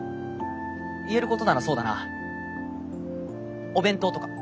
言えることならそうだなお弁当とか。